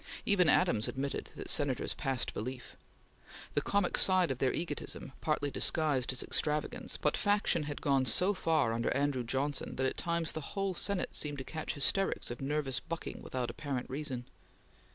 Even Adams admitted that Senators passed belief. The comic side of their egotism partly disguised its extravagance, but faction had gone so far under Andrew Johnson that at times the whole Senate seemed to catch hysterics of nervous bucking without apparent reason.